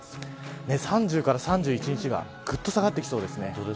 ３０から３１日はぐっと下がってきそうです。